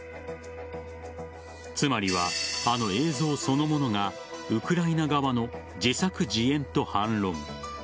つまりは、あの映像そのものがウクライナ側の自作自演と反論。